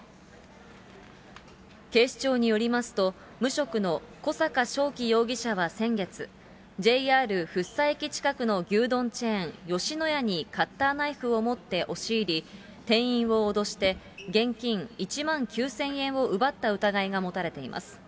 警視庁によりますと、無職の小阪しょうき容疑者は先月、ＪＲ福生駅近くの牛丼チェーン、吉野家にカッターナイフを持って押し入り、店員を脅して現金１万９０００円を奪った疑いが持たれています。